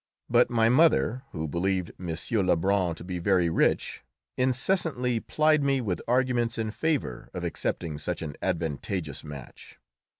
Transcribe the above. But my mother, who believed M. Lebrun to be very rich, incessantly plied me with arguments in favour of accepting such an advantageous match.